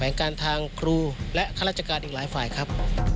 ลงการทางครูและข้าราชการอีกหลายฝ่ายครับ